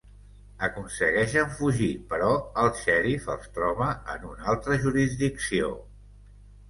Aconsegueixen fugir, però el xèrif els troba en una altra jurisdicció.